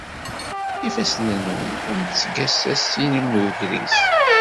Ifassen-nwen am tgasasin n ugris.